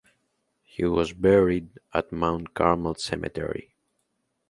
He was buried at Mount Carmel Cemetery.